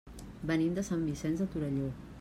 Venim de Sant Vicenç de Torelló.